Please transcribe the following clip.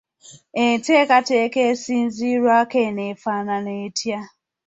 Enteekateeka esinziirwako enaafaanana etya?